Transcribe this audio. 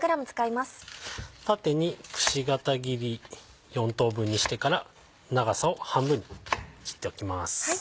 縦にくし形切り４等分にしてから長さを半分に切っておきます。